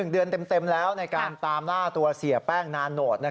๑เดือนเต็มแล้วในการตามล่าตัวเสียแป้งนานโหด